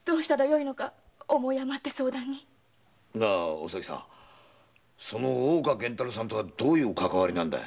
お咲さんその大岡源太郎さんとはどういうかかわりなんだい。